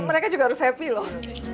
mereka juga harus happy loh